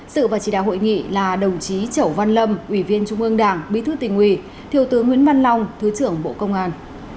sự và chỉ đạo hội nghị là đồng chí chẩu văn lâm ủy viên trung ương đảng bí thư tỉnh ủy thiếu tướng nguyễn văn long thứ trưởng bộ công an